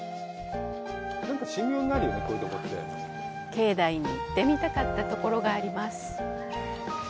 境内に行ってみたかったところがあります。